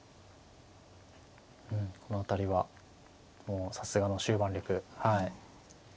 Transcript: この辺りはもうさすがの終盤力はい。